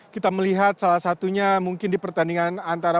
kita melihat salah satunya mungkin di pertandingan antara